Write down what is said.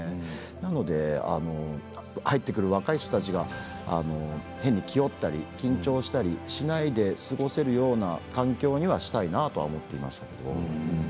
なので入ってくる若い人たちが変に気負ったり緊張したりしないで過ごせるような環境にはしたいなと思ってました